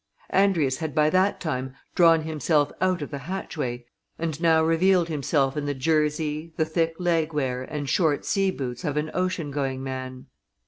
Andrius had by that time drawn himself out of the hatchway and now revealed himself in the jersey, the thick leg wear, and short sea boots of an oceangoing man.